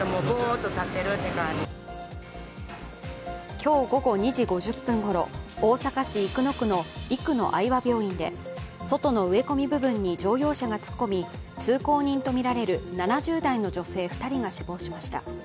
今日午後２時５０分ごろ大阪市生野区の生野愛和病院で外の植え込み部分に乗用車が突っ込み、通行人とみられる７０代の女性２人が死亡しました。